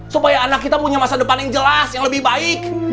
supaya anak kita punya masa depan yang jelas yang lebih baik